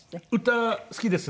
歌好きですね。